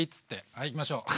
はいいきましょう。